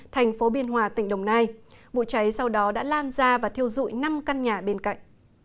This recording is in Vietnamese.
thành phố biên hòa tỉnh đồng nai vụ cháy sau đó đã lan ra và thiêu dụi năm căn nhà bên cạnh